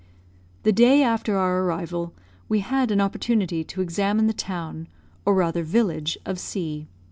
The day after our arrival, we had an opportunity to examine the town, or rather village, of C